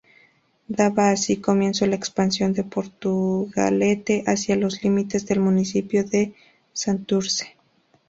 Daba así comienzo la expansión de Portugalete hacia los límites del municipio de Santurce.